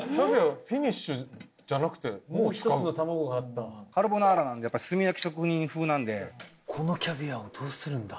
もう一つの卵があったわカルボナーラなんでやっぱり炭焼き職人風なんでこのキャビアをどうするんだ？